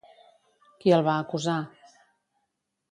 Qui el va acusar?